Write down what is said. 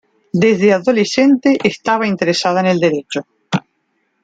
Desde adolescente estaba interesada en el derecho.